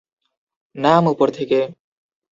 নাম উপর থেকে।